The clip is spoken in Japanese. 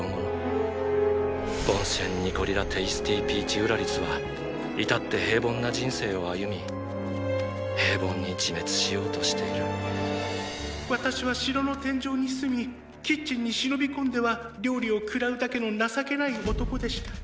ボンシェン・ニコリ・ラ・テイスティピーチ＝ウラリスはいたって平凡な人生を歩み平凡に自滅しようとしている私は城の天井に住みキッチンに忍び込んでは料理を食らうだけの情けない男でした。